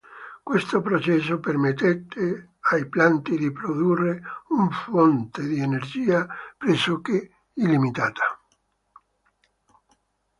Questo processo permette ai Plant di produrre una fonte di energia pressoché illimitata.